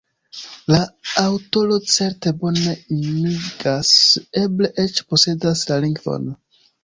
La aŭtoro certe bone imagas, eble eĉ posedas la lingvon.